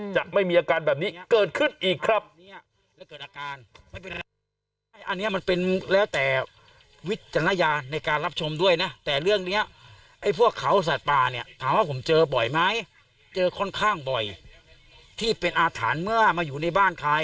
จะไม่มีอาการแบบนี้เกิดขึ้นอีกครับ